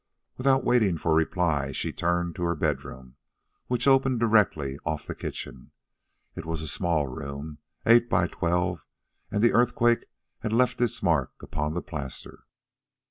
Without waiting for reply, she turned to her bedroom, which opened directly off the kitchen. It was a small room, eight by twelve, and the earthquake had left its marks upon the plaster.